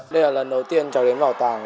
đây là lần đầu tiên cháu đến bảo tàng